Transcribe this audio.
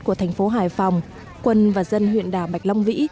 của thành phố hải phòng quân và dân huyện đảo bạch long vĩ